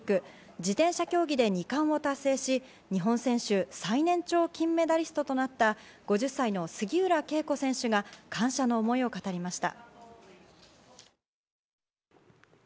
自転車競技で２冠を達成し、日本選手最年長金メダリストとなった５０歳の杉浦佳子選手が感謝の思いを語りました。